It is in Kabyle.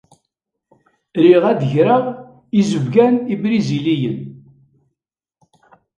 Riɣ ad d-geɣ izebgan ibriziliyen.